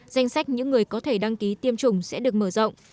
danh sách những người có thể đăng ký tiêm chủng sẽ được mở rộng